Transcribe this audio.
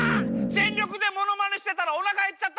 全力でものまねしてたらおなかへっちゃった！